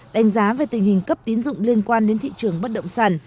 đánh giá về tình hình cấp tín dụng liên quan đến thị trường bất động sản